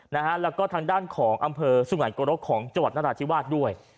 นะฮะแล้วก็ทางด้านของอำเภอสุงัยโกรกของจังหวัดนราธิวาสด้วย